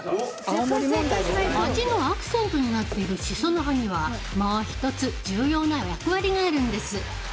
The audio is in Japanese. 味のアクセントになっているしその葉にはもう一つ重要な役割があるんです。